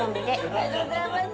ありがとうございます。